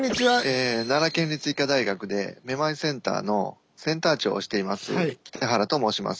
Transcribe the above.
奈良県立医科大学でめまいセンターのセンター長をしています北原と申します。